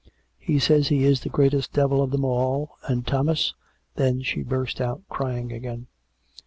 ... He says he is the greatest devil of them all; and Thomas " Then she burst out crying again.